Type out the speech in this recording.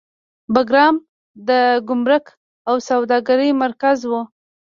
بګرام د ګمرک او سوداګرۍ مرکز و